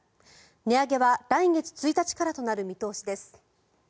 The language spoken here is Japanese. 値上げは来月１日からとなる見通しです。